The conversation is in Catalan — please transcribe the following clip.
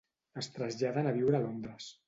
Es traslladen a viure a Londres.